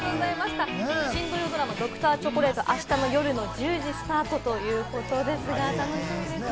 新土曜ドラマ『Ｄｒ．チョコレート』、明日の夜１０時スタートですが、楽しみですね。